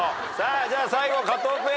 じゃあ最後加藤ペア。